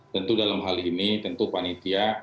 tentu dalam hal ini tentu panitia